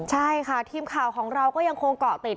ใช่ค่ะทีมข่าวของเราก็ยังคงเกาะติด